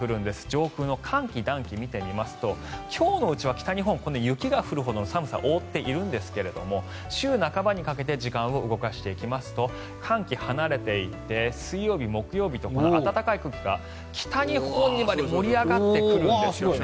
上空の寒気、暖気を見ていきますと今日のうちは北日本は雪が降るほどの寒さが覆っているんですが週半ばにかけて時間を動かしていきますと寒気離れていって水曜日木曜日と暖かい空気が北日本にまで盛り上がってくるんですね。